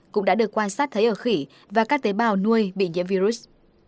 cũng đã được quan sát thấy ở khỉ và các tế bào nuôi bị nhiễm virus